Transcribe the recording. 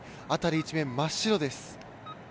一面真っ白です。